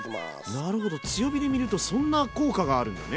なるほど強火で煮るとそんな効果があるんだね。